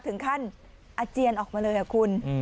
ถึงขั้นอาเจียนออกมาเลยค่ะคุณ